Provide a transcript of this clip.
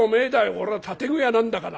俺は建具屋なんだから」。